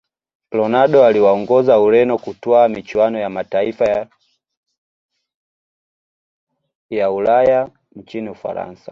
ronaldo aliwaongoza Ureno kutwaa michuano ya mataifaya ulaya nchini Ufaransa